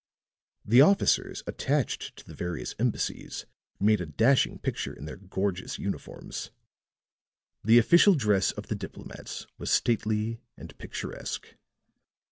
The officers attached to the various embassies made a dashing picture in their gorgeous uniforms; the official dress of the diplomats was stately and picturesque.